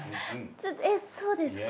えっそうですか？